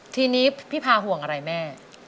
ทีนี้พี่พาห่วงอะไรแม่